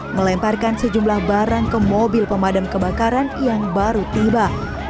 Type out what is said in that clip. melemparkan sejumlah barang ke mobil pemadam kebakaran yang baru tiba